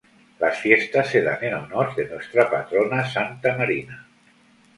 Las fiestas se dan en honor de nuestra patrona Santa Marina.